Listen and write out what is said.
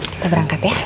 kita berangkat ya